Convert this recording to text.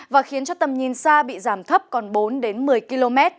và khiến cho tầm nhìn xa bị giảm thấp còn bốn đến một mươi km